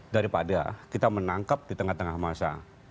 daripada kita menangkap di tengah tengah masa